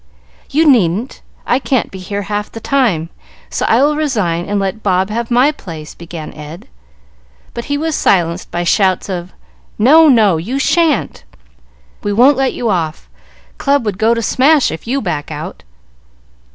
"You needn't. I can't be here half the time, so I will resign and let Bob have my place," began Ed, but he was silenced by shouts of "No, no, you shan't!" "We won't let you off!" "Club would go to smash, if you back out!"